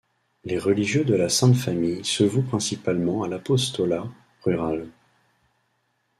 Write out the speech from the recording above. Les religieux de la Sainte Famille se vouent principalement à l'apostolat rural.